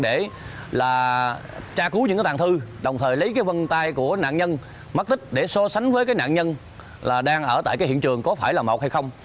để tra cứu những tàn thư đồng thời lấy vân tai của nạn nhân mất tích để so sánh với nạn nhân đang ở hiện trường có phải là một hay không